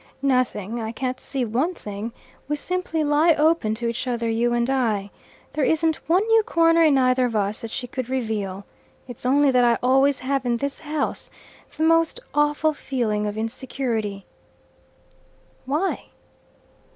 "Nothing. I can't see one thing. We simply lie open to each other, you and I. There isn't one new corner in either of us that she could reveal. It's only that I always have in this house the most awful feeling of insecurity." "Why?"